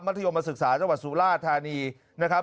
ธยมศึกษาจังหวัดสุราธานีนะครับ